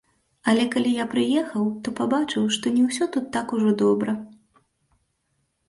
Але калі я прыехаў, то пабачыў, што не ўсё тут так ужо добра.